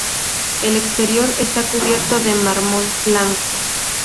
El exterior está cubierto de mármol blanco.